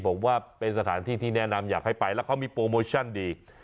บอกว่าเป็นสถานที่ที่แนะนำอยากให้ไปแล้วเขามีโปรโมชั่นดี